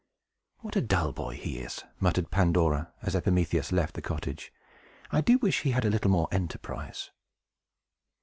"What a dull boy he is!" muttered Pandora, as Epimetheus left the cottage. "I do wish he had a little more enterprise!"